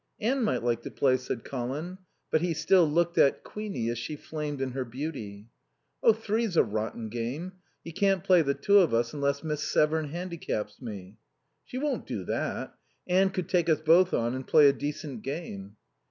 "Anne might like to play," said Colin. But he still looked at Queenie, as she flamed in her beauty. "Oh, three's a rotten game. You can't play the two of us unless Miss Severn handicaps me." "She won't do that. Anne could take us both on and play a decent game."